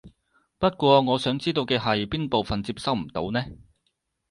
不過我想知道嘅係邊部分接收唔到呢？